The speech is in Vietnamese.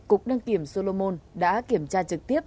cục đơn kiểm solomon đã kiểm tra trực tiếp